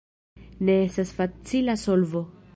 Ne estas facila solvo.